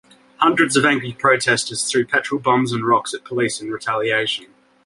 Hundreds of angry protesters threw petrol bombs and rocks at police in retaliation.